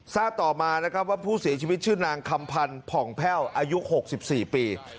ทราบต่อมานะครับว่าผู้เสียชีวิตชื่อนางคำพันธ์ผ่องแพ่วอายุ๖๔ปี